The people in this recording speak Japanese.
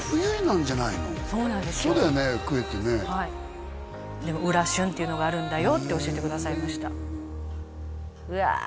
クエってねはい裏旬っていうのがあるんだよって教えてくださいましたうわ